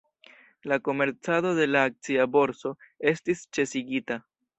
La komercado de la akcia borso estis ĉesigita.